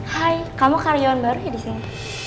hai kamu karyawan baru ya di sini